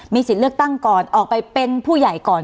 สิทธิ์เลือกตั้งก่อนออกไปเป็นผู้ใหญ่ก่อน